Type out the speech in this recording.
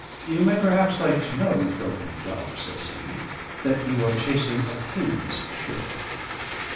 "You may perhaps like to know, you drunken dog," says he, "that you are chasing a King's ship."